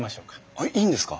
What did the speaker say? えっいいんですか？